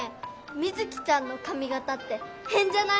ミズキちゃんのかみがたってへんじゃない？